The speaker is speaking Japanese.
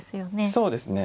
そうですね。